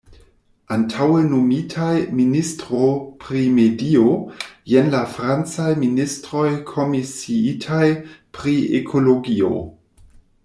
Antaŭe nomitaj "ministro pri medio", jen la francaj ministroj komisiitaj pri ekologio.